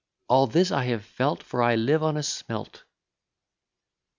All this I have felt, For I live on a smelt.